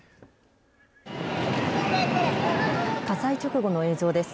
火災直後の映像です。